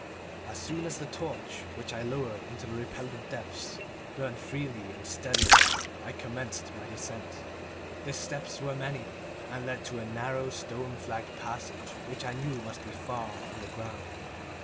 As soon as the torch, which I lowered into the repellent depths, burned freely and steadily, I commenced my descent. The steps were many, and led to a narrow stone flagged passage which I knew must be far underground.